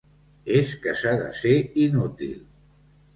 És que s'ha de ser inútil!